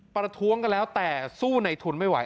ประท้วงกันแล้วแต่สู้ในทุนไม่ไหว